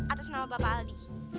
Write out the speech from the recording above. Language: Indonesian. atas nama bapak aldi